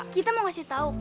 kita mau kasih tau